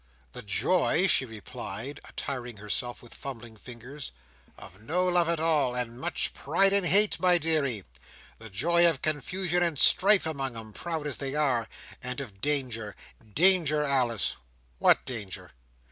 "The joy," she replied, attiring herself, with fumbling fingers, "of no love at all, and much pride and hate, my deary. The joy of confusion and strife among 'em, proud as they are, and of danger—danger, Alice!" "What danger?"